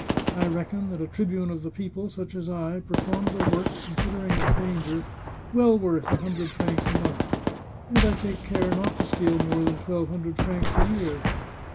I reckon that a tribune of the people, such as I, performs a work, considering its danger, well worth a hundred francs a month, and I take care not to steal more than twelve hundred francs a year.